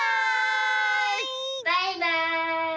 バイバイ！